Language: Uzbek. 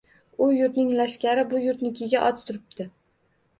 U yurtning lashkari bu yurtnikiga ot suribdi.